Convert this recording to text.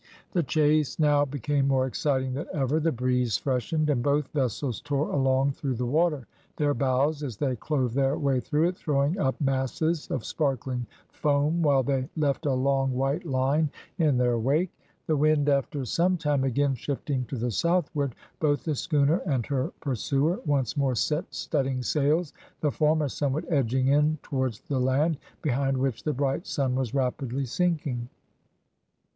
The chase now became more exciting than ever, the breeze freshened, and both vessels tore along through the water; their bows, as they clove their way through it, throwing up masses of sparkling foam, while they left a long white line in their wake. The wind after some time again shifting to the southward, both the schooner and her pursuer once more set studding sails, the former somewhat edging in towards the land, behind which the bright sun was rapidly sinking.